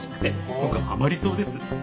僕はまりそうです。